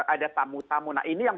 ada tamu tamu nah ini yang